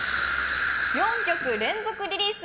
４曲連続リリース！